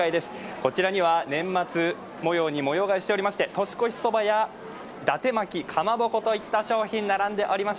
こちらには年末模様に模様替えしておりまして、年越しそばやだて巻き、かまぼこといった商品が並んでおります。